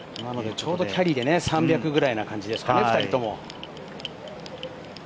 ちょうどキャリーで３００ぐらいの感じですかね、２人とも。